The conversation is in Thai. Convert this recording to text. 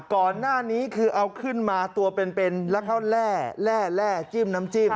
ก่อนหน้านี้คือเอาขึ้นมาตัวเป็นแล้วก็แร่จิ้มน้ำจิ้ม